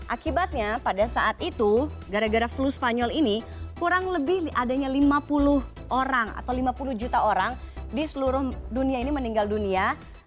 akibatnya pada saat itu gara gara flu spanyol ini kurang lebih adanya lima puluh orang atau lima puluh juta orang di seluruh dunia ini meninggal dunia